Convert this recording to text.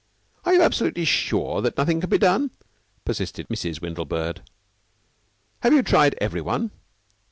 "Are you absolutely sure that nothing can be done?" persisted Mrs. Windlebird. "Have you tried every one?"